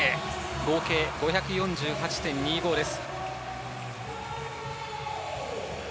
合計５４８．２５です。